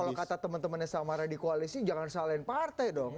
kalau kata teman temannya samara di koalisi jangan salahin partai dong